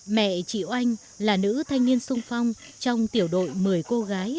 mẹ chị oanh là nữ thanh niên sung phong trong tiểu đội một mươi cô gái